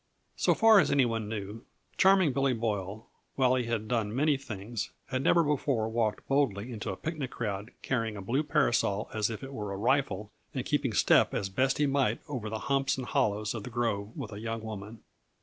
So far as any one knew, Charming Billy Boyle, while he had done many things, had never before walked boldly into a picnic crowd carrying a blue parasol as if it were a rifle and keeping step as best he might over the humps and hollows of the grove with a young woman.